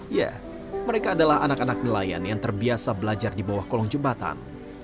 ya mereka adalah anak anak nelayan yang terbiasa belajar di bawah kolong jembatan